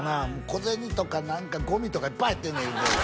「小銭とか何かゴミとかいっぱい入ってんねん」